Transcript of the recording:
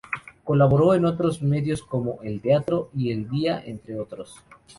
Colaboró en otros medios como "El Teatro" y "El Día", entre otros.